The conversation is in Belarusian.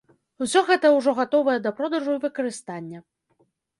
Усё гэта ўжо гатовае да продажу і выкарыстання.